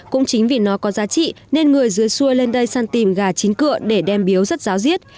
cũng chính vì nó có giá trị nên người dưới xuôi lên đây săn tìm gà chín cựa để đem biếu rất giáo diết